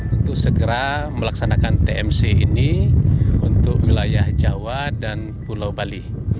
untuk segera melaksanakan tmc ini untuk wilayah jawa dan pulau bali